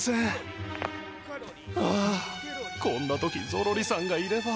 はあこんな時ゾロリさんがいれば。